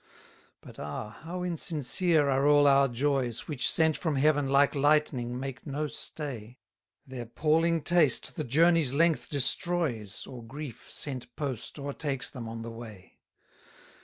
209 But ah! how insincere are all our joys! Which, sent from heaven, like lightning make no stay; Their palling taste the journey's length destroys, Or grief, sent post, o'ertakes them on the way.